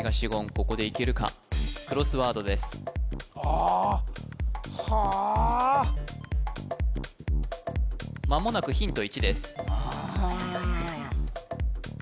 ここでいけるかクロスワードですあはあ間もなくヒント１です